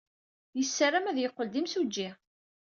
Yessaram ad yeqqel d imsujji.